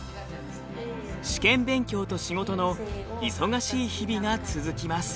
試験勉強と仕事の忙しい日々が続きます。